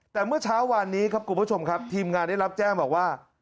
แต่เมื่อเช้าวานนี้ครับคุณผู้ชมครับทีมงานได้รับแจ้งบอกว่า